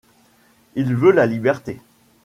Il veut la liberté